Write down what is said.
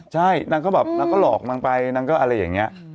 ใช่นางก็ลอกนางไปอะไรอย่างนี้